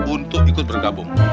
untuk ikut bergabung